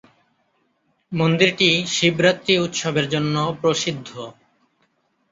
মন্দিরটি শিবরাত্রি উৎসবের জন্য প্রসিদ্ধ।